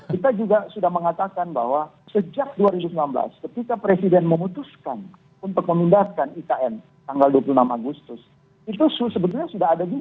kita juga sudah mengatakan bahwa sejak dua ribu sembilan belas ketika presiden memutuskan untuk memindahkan ikn tanggal dua puluh enam agustus itu sebetulnya sudah ada juga